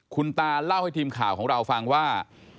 คุณตาเล่าให้ทีมข่าวของเราฟังว่า